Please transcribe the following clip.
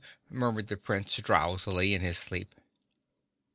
murmured the Prince drowsily in his sleep.